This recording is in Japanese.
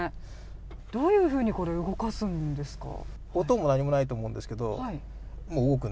どういうふうにこれ、動かすんですか？